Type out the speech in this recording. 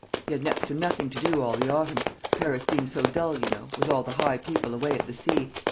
He had next to nothing to do all the autumn; Paris being so dull, you know, with all the high people away at the sea.